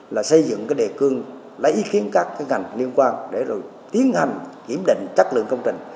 là xây dựng cái đề cương lấy ý kiến các ngành liên quan để rồi tiến hành kiểm định chất lượng công trình